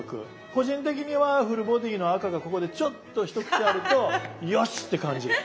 個人的にはフルボディの赤がここでちょっと一口あると「よし！」って感じる。